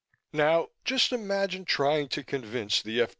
Now just imagine trying to convince the F.